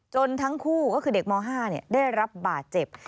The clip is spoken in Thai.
ทั้งคู่ก็คือเด็กม๕ได้รับบาดเจ็บ